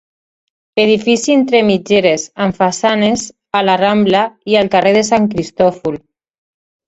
Edifici entre mitgeres amb façanes a la Rambla i al carrer de Sant Cristòfol.